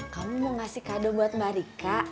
kamu mau kasih kado buat mbak rika